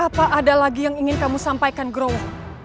apa ada lagi yang ingin kamu sampaikan grow